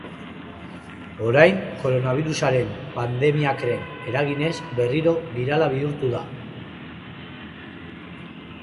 Orain, koronabirusaren pandemiakren eraginez, berriro birala bihurtu da.